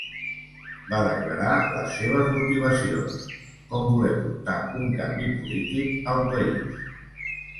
Va declarar les seves motivacions, com voler portar un canvi polític al país.